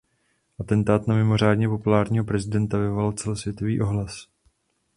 Atentát na mimořádně populárního prezidenta vyvolal celosvětový ohlas.